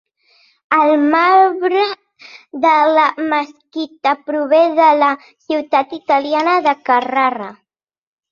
El marbre de la mesquita prové de la ciutat italiana de Carrara.